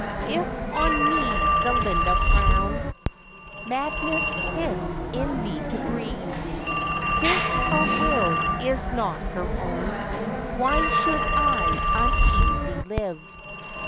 If on me Zelinda frown, Madness 'tis in me to grieve: Since her will is not her own, Why should I uneasy live?